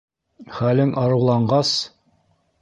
Хәлең арыуланғас...